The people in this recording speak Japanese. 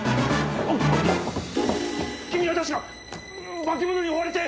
君は確か化け物に追われて。